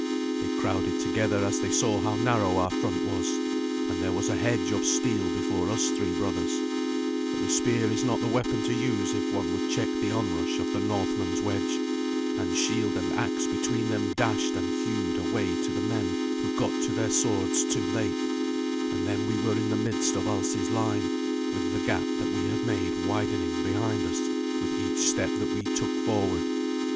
They crowded together as they saw how narrow our front was, and there was a hedge of steel before us three brothers; but the spear is not the weapon to use if one would check the onrush of the Northman's wedge, and shield and axe between them dashed and hewed a way to the men who got to their swords too late, and then we were in the midst of Alsi's line, with the gap that we had made widening behind us with each step that we took forward.